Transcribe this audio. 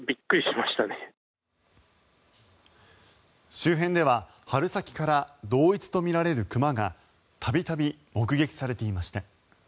周辺では春先から同一とみられる熊が度々目撃されていました。